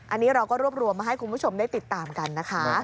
อันนี้เราก็รวบรวมมาให้คุณผู้ชมได้ติดตามกันนะคะ